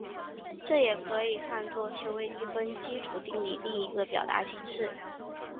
这也可以看作是微积分基本定理另一个表达形式。